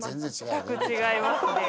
全く違いますね。